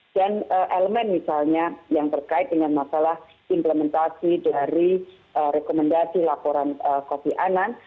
dan elemen misalnya yang terkait dengan masalah implementasi dari rekomendasi laporan kofi annan